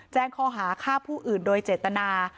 แจ้งข้อหาฆ่าผู้อื่นโดยเจตนา